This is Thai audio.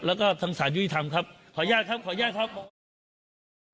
แล้วก็ทางสารยุติธรรมครับขออนุญาตครับขออนุญาตครับ